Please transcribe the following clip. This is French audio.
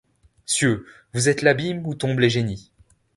Cièux, vous êtes l'abîme où tombent les génies.